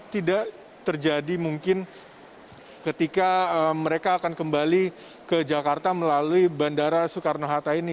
tidak terjadi mungkin ketika mereka akan kembali ke jakarta melalui bandara soekarno hatta ini